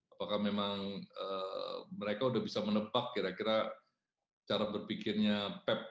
apakah memang mereka sudah bisa menepak kira kira cara berpikirnya pep